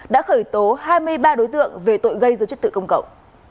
đã khởi tố hai mươi ba đối tượng về tội gây do chất tự công cộng